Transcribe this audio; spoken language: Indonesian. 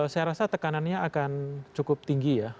saya rasa tekanannya akan cukup tinggi ya